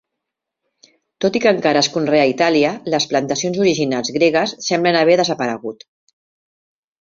Tot i que encara es conrea a Itàlia, les plantacions originals gregues semblen haver desaparegut.